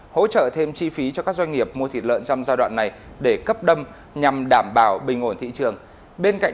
hỗ trợ thêm chi phí cho các doanh nghiệp mua thịt lợn trong giai đoạn này